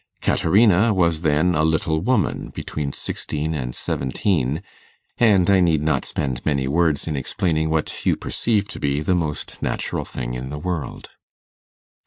Caterina was then a little woman, between sixteen and seventeen, and I need not spend many words in explaining what you perceive to be the most natural thing in the world.